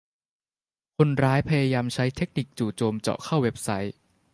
คนร้ายพยายามใช้เทคนิคจู่โจมเจาะเข้าเว็บไซต์